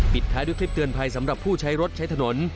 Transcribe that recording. ท้ายด้วยคลิปเตือนภัยสำหรับผู้ใช้รถใช้ถนน